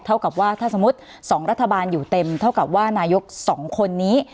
เท่ากับว่าถ้าสมมุติ๒รัฐบาลอยู่เต็มเท่ากับว่านายก๒คนนี้